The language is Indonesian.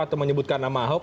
atau menyebutkan nama ahok